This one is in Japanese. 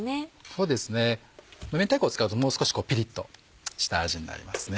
そうですねめんたいこを使うともう少しピリっとした味になりますね。